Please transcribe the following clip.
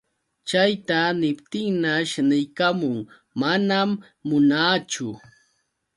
Chayta niptinñash niykamun: manam munaachu.